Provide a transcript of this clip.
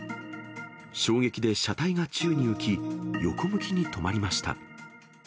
衝撃で車体が宙に浮き、横向きに止まりました。